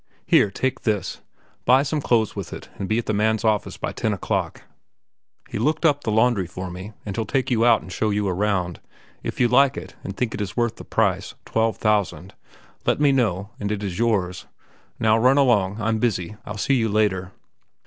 Here, take this; buy some clothes with it and be at this man's office by ten o'clock. He looked up the laundry for me, and he'll take you out and show you around. If you like it, and think it is worth the price—twelve thousand—let me know and it is yours. Now run along. I'm busy. I'll see you later."